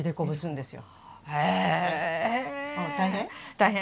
大変？